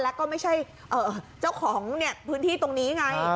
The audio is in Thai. แล้วก็ไม่ใช่เจ้าของพื้นที่ตรงนี้ไง